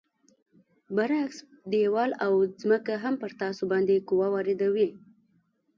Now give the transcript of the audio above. برعکس دیوال او ځمکه هم پر تاسو باندې قوه واردوي.